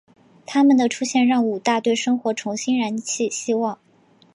她们的出现让武大对生活重新燃起希望。